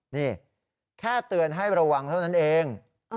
นี่แค่เตือนให้ระวังเท่านั้นเอง